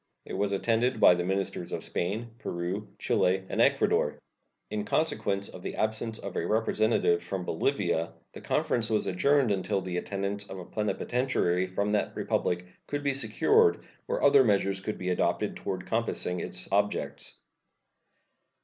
It was attended by the ministers of Spain, Peru, Chile, and Ecuador. In consequence of the absence of a representative from Bolivia, the conference was adjourned until the attendance of a plenipotentiary from that Republic could be secured or other measures could be adopted toward compassing its objects.